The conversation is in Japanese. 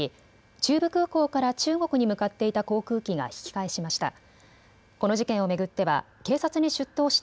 中部空港から中国に向かっていた航空機が引き返しました。